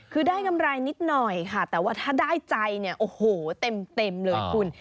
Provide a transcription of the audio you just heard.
คือได้กำไรนิดหน่อยค่ะแต่ว่าถ้าได้ใจเนี่ยโอ้โหเต็มเลยคุณ